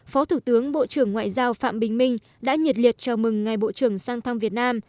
phó thủ tướng bộ trưởng ngoại giao phạm bình minh đã nhiệt liệt chào mừng ngài bộ trưởng sang thăm việt nam